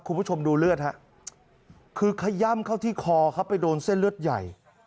คุณผู้ชมดูเลือดฮะคือขย่ำเข้าที่คอครับไปโดนเส้นเลือดใหญ่